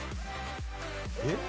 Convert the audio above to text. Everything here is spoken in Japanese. えっ？